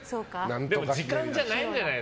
でも、時間じゃないんじゃない？